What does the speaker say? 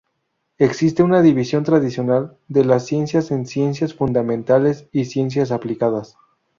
Existe una división tradicional de las ciencias en ciencias fundamentales y ciencias aplicadas.